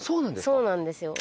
そうなんですよ